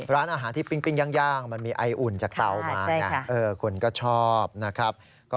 ร้านอาหารที่ปิ้งย่างมันมีไออุ่นจากเตามาไงคนก็ชอบนะครับ